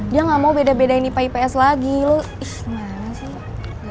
dia gak mau beda dua in ipa ips lagi lo ih gimana sih